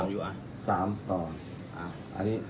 ส่วนสุดท้ายส่วนสุดท้าย